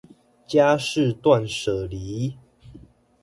家事斷捨離